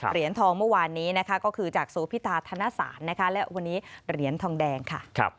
เหรียญทองเมื่อวานนี้นะคะก็คือจากโพิธาธนสารนะคะและวันนี้เหรียญทองแดงค่ะ